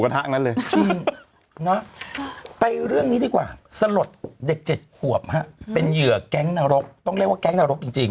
ไปเรื่องนี้ดีกว่าสลดเด็ก๗ขวบฮะเป็นเหยื่อแก๊งนรกต้องเรียกว่าแก๊งนรกจริง